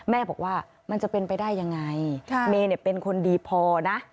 แม่บอกว่ามันจะเป็นไปได้ยังไงเมย์เป็นคนดีพอนะ